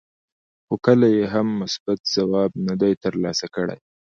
خو کله یې هم مثبت ځواب نه دی ترلاسه کړی.